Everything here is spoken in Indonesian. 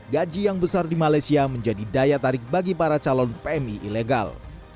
gaji yang besar di malaysia menjadi daya tarik bagi para calon pmi ilegal